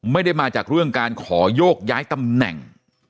ไม่ได้มาจากเรื่องการขอโยกย้ายตำแหน่ง